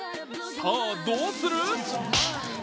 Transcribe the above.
さあ、どうする？